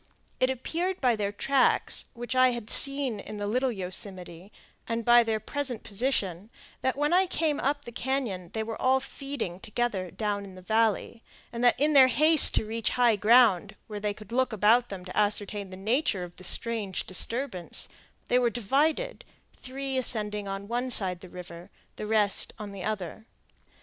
It appeared by their tracks, which I had seen in the Little Yosemite, and by their present position, that when I came up the cañon they were all feeding together down in the valley, and in their haste to reach high ground, where they could look about them to ascertain the nature of the strange disturbance, they were divided, three ascending on one side the river, the rest on the other.